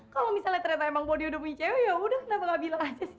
kalo misalnya ternyata emang body udah punya cewek yaudah kenapa gak bilang aja sih